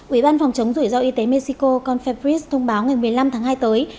ủy ban phòng chống rủi ro y tế mexico confebris thông báo ngày một mươi năm tháng hai tới